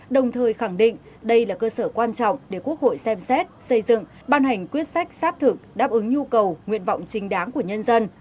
đồng thời khẳng định đây là cơ sở quan trọng để quốc hội xem xét xây dựng ban hành quyết sách sát thực đáp ứng nhu cầu nguyện vọng chính đáng của nhân dân